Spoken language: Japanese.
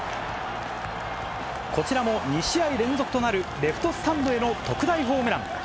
こちらも２試合連続となる、レフトスタンドへの特大ホームラン。